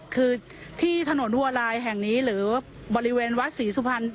คือที่ถนนหัวลายแห่งนี้หรือบริเวณวัดศรีสุพรรณ